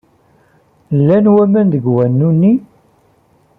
Llan waman deg wanu-nni?